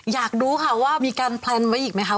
อยากรู้ค่ะว่ามีการแพลนไว้อีกไหมคะ